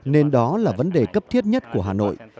nên đó là vấn đề cấp thiết nhất của hà nội